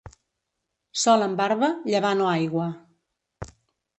Sol amb barba, llevant o aigua.